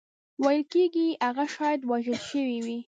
ویل کېږي هغه شاید وژل شوی وي.